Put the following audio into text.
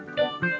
aduh aku bisa